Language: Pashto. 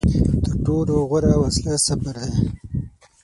تر ټولو غوره وسله صبر دی.